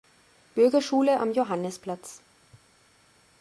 Bürgerschule am Johannisplatz.